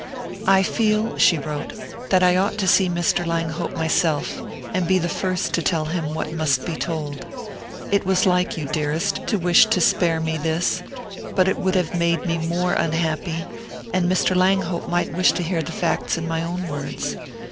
"I feel," she wrote, "that I ought to see Mr. Langhope myself, and be the first to tell him what must be told. It was like you, dearest, to wish to spare me this, but it would have made me more unhappy; and Mr. Langhope might wish to hear the facts in my own words.